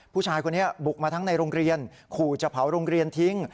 ผู้ชายคนนี้บุกมาทั้งในโรงเรียนขู่จะเผาโรงเรียนทิ้ง